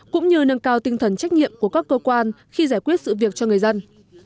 cũng như nâng cao tinh thần trách nhiệm của các cơ quan khi giải quyết sự việc cho người dân